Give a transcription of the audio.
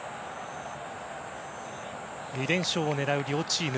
２連勝を狙う両チーム。